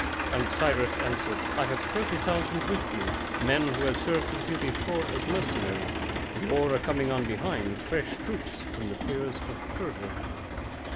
And Cyrus answered, "I have 30,000 with me, men who have served with you before as mercenaries; and more are coming on behind, fresh troops, from the Peers of Persia."